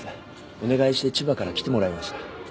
お願いして千葉から来てもらいました。